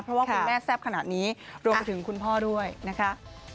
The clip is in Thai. เพราะว่าคุณแม่แซ่บขนาดนี้รวมไปถึงคุณพ่อด้วยนะคะ